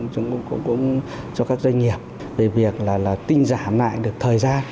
chúng tôi cũng cho các doanh nghiệp về việc tinh giảm lại được thời gian